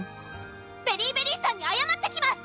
ベリィベリーさんにあやまってきます！